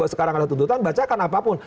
sekarang ada tuntutan bacakan apapun